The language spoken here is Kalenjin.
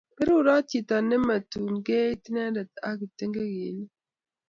Berurot chito ne matun keit inendet ak kiptengekinik